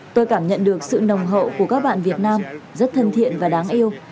tôi cảm nhận được sự nồng hậu của các bạn việt nam rất thân thiện và đáng yêu